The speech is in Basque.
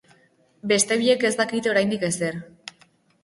Beste biek ez dakite oraindik ezer.